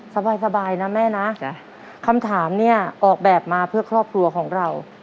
สบายนะแม่นะคำถามเนี่ยออกแบบมาเพื่อครอบครัวของเรา